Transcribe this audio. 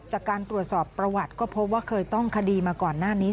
จากการตรวจสอบประวัติก็พบว่าเคยต้องคดีมาก่อนหน้านี้